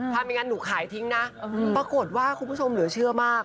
ถ้าไม่งั้นหนูขายทิ้งนะปรากฏว่าคุณผู้ชมเหลือเชื่อมาก